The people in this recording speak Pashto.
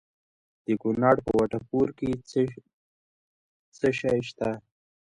د کونړ په وټه پور کې څه شی شته؟